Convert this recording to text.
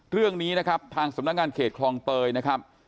เรื่องนี้นะครับทางสำนักงานเขตคลองเตยนะครับ